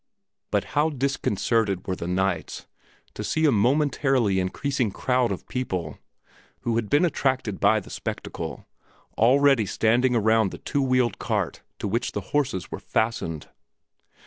But how disconcerted were the knights to see a momentarily increasing crowd of people, who had been attracted by the spectacle, already standing around the two wheeled cart to which the horses were fastened!